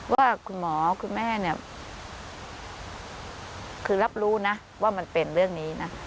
ว่าคุณหมอคุณแม่เนี่ยคือรับรู้นะว่ามันเป็นเรื่องนี้นะ